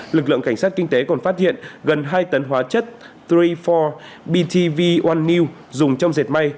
lực lượng cảnh sát kinh tế còn phát hiện gần hai tấn hóa chất ba mươi bốn btv một n dùng trong dệt may